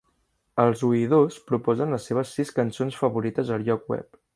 Els oïdors proposen les seves sis cançons favorites al lloc web.